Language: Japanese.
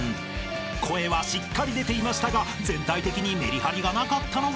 ［声はしっかり出ていましたが全体的にめりはりがなかったのが残念］